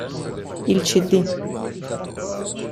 Il cd.